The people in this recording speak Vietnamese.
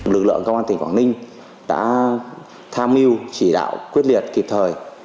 lực lượng công an tỉnh quảng ninh đã tham mưu chỉ đạo quyết liệt kịp thời